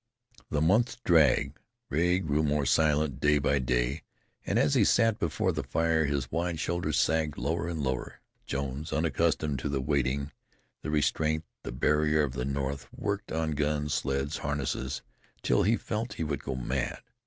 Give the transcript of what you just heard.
The months dragged. Rea grew more silent day by day, and as he sat before the fire his wide shoulders sagged lower and lower. Jones, unaccustomed to the waiting, the restraint, the barrier of the north, worked on guns, sleds, harness, till he felt he would go mad.